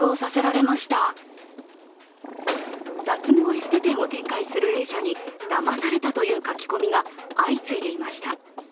脱毛エステ店を展開するＡ社にだまされたという書き込みが相次いでいました。